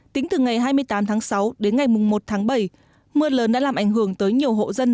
tính từ ngày hai mươi tám tháng sáu đến ngày một tháng bảy mưa lớn đã làm ảnh hưởng tới nhiều hộ dân